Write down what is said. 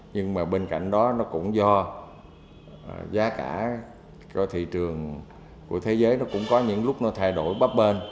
nhưng mà bên cạnh đó nó cũng do giá cả cho thị trường của thế giới nó cũng có những lúc nó thay đổi bắp bên